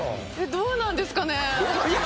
どうなんですかね？